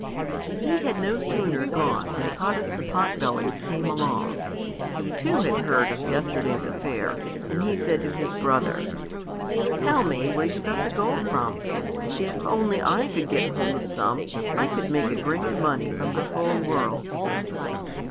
He had no sooner gone than Taras the Pot bellied came along. He, too, had heard of yesterday's affair and he said to his brother, "Tell me where you get gold money from. If only I could get hold of some I could make it bring in money from the whole world."